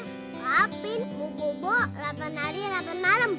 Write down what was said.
mbah pin mau bobo delapan hari delapan malam